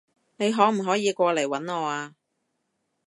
你可唔可以過嚟搵我啊？